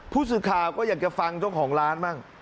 ผู้สื่อข่าวก็อยากจะฟังเจ้าของร้านบ้าง